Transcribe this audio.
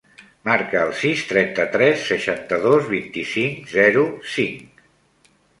Marca el sis, trenta-tres, seixanta-dos, vint-i-cinc, zero, cinc.